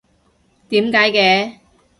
點解嘅？